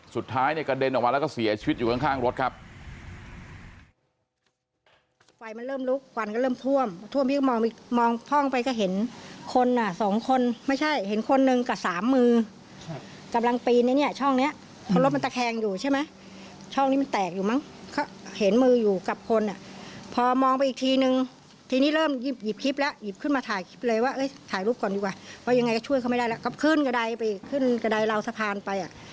สุดท้ายเนี่ยกระเด็นออกมาแล้วก็เสียชีวิตอยู่ข้างรถครับ